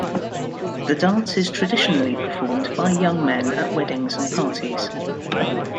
The dance is traditionally performed by young men at weddings and parties.